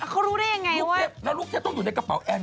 เขารู้ได้ยังไงลูกเทพแล้วลูกเทพต้องอยู่ในกระเป๋าแอม